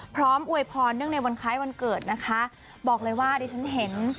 อวยพรเนื่องในวันคล้ายวันเกิดนะคะบอกเลยว่าดิฉันเห็น